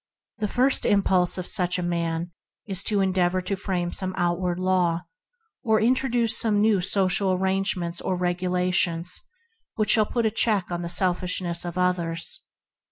The first impulse of such a man is to endeavor to frame some outward law, or introduce some new social arrangements or regula tions, that shall put a check on the sel fishness of others.